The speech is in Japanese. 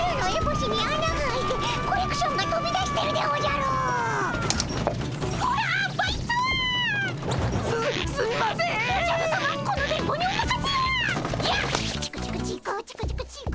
チクチクチク。